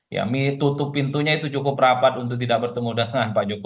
ya mie tutup pintunya itu cukup rapat untuk tidak bertemu dengan pak jokowi